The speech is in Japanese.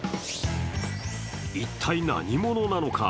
一体、何者なのか？